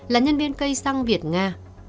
là nhân viên cây xăng việt nga